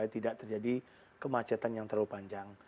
tidak terjadi kemacetan yang terlalu panjang